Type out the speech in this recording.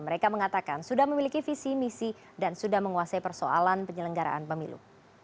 mereka mengatakan sudah memiliki visi misi dan sudah menguasai persoalan penyelenggaraan pemilu